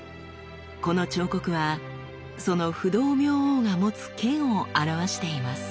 この彫刻はその不動明王が持つ剣を表しています。